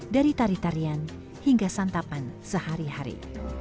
dari tari tarian hingga santapan sehari hari